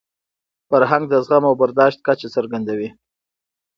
فرهنګ د زغم او برداشت کچه څرګندوي.